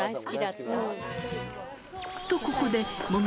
とここでえ！